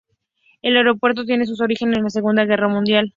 El aeropuerto tiene sus orígenes en la Segunda Guerra Mundial.